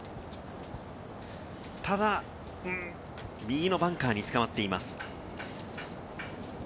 ただ、右のバンカーにつかまっています。